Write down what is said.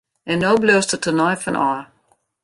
En no bliuwst der tenei fan ôf!